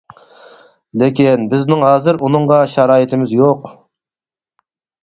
لېكىن بىزنىڭ ھازىر ئۇنىڭغا شارائىتىمىز يوق.